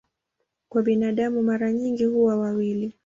Kwa binadamu mara nyingi huwa wawili.